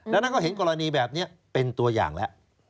ดังนั้นก็เห็นกรณีแบบนี้เป็นตัวอย่างแล้ว